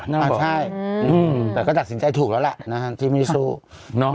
น่ะบอกอืมแต่ก็จัดสินใจถูกแล้วล่ะนะฮะที่มีซุน้อง